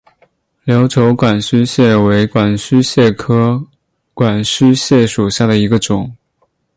琉球管须蟹为管须蟹科管须蟹属下的一个种。